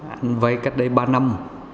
anh vai cách đây ba năm